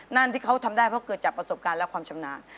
นั่นที่เขาทำได้เพราะเกิดจากประสบการณ์และความชำนาญ